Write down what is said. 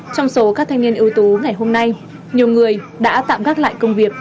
trong số các thanh niên ưu tú ngày hôm nay nhiều người đã tạm gác lại công việc